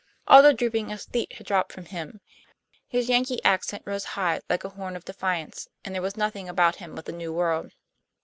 All the drooping of the aesthete had dropped from him; his Yankee accent rose high, like a horn of defiance, and there was nothing about him but the New World.